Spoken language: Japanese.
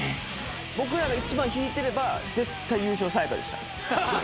僕らが１番引いてれば絶対優勝さや香でした。